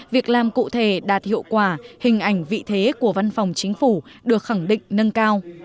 việc làm cụ thể đạt hiệu quả hình ảnh vị thế của văn phòng chính phủ được khẳng định nâng cao